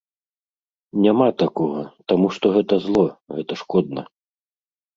Няма такога, таму што гэта зло, гэта шкодна.